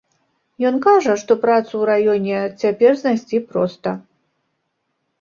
Ён кажа, што працу ў раёне цяпер знайсці проста.